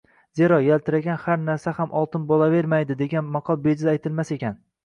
Zero, yaltiragan har narsa ham oltin bo`lavermaydi degan maqol bejiz aytilmas ekan